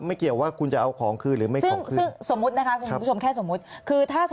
ไม่เกี่ยวว่าคุณจะเอาของคืนหรือไม่ของคืน